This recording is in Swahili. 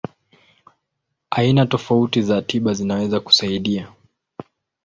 Aina tofauti za tiba zinaweza kusaidia.